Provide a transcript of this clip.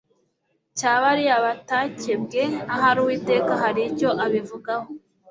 cya bariya batakebwe ahari uwiteka hari icyo abivugaho